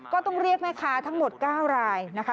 ก็ต้องเรียกแม่ค้าทั้งหมด๙รายนะคะ